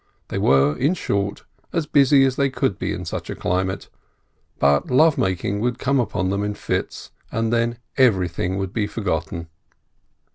They were, in short, as busy as they could be in such a climate, but love making would come on them in fits, and then everything would be forgotten.